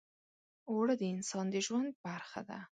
اوړه د انسان د ژوند برخه ده